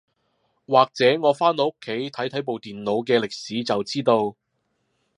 或者我返到屋企睇睇部電腦嘅歷史就知道